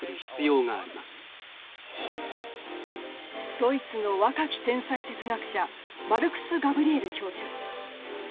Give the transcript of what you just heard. ドイツの若き天才哲学者マルクス・ガブリエル教授。